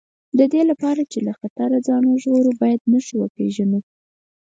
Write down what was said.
د دې لپاره چې له خطره ځان وژغورو باید نښې وپېژنو.